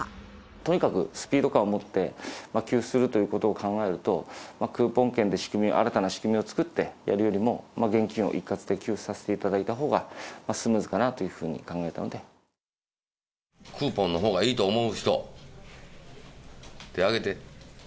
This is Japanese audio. とにかくスピード感を持って、給付するということを考えると、クーポン券で仕組み、新たな仕組みを作ってやるよりも、現金を一括で給付させていただいたほうがスムーズかなというふうクーポンのほうがいいと思う人、手挙げて。